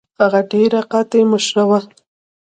هغه ډیره قاطع مشره وه.